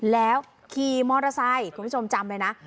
แล้วขี่มอเตอร์ไซค์คุณผู้ชมจำเลยนะ